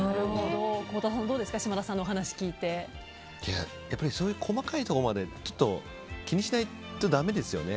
孝太郎さん島田さんのお話聞いてそういう細かいところまで気にしないとだめですよね。